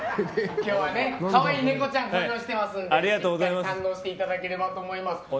今日はね、可愛いネコちゃんご用意してますんで堪能していただければと思います。